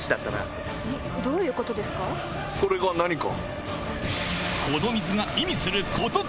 それが何か？